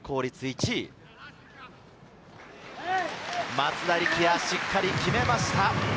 松田力也、しっかり決めました。